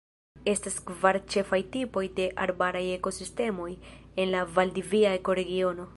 Estas kvar ĉefaj tipoj de arbaraj ekosistemoj en la valdivia ekoregiono.